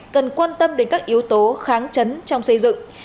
cần quan tâm đến các yếu tố kháng chấn trong xây dựng